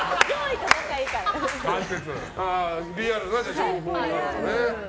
リアルな情報なんだね。